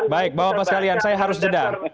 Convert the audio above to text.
baik bapak bapak sekalian saya harus jeda